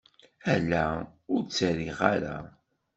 Ala, ur d-ttarriɣ ara.